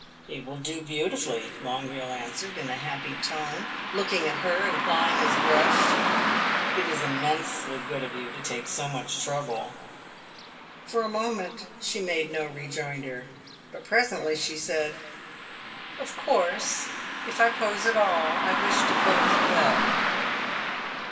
"It will do beautifully," Longueville answered, in a happy tone, looking at her and plying his brush. "It is immensely good of you to take so much trouble." For a moment she made no rejoinder, but presently she said "Of course if I pose at all I wish to pose well."